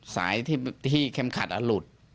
สายที่เค็มขัดอ่ะหลุด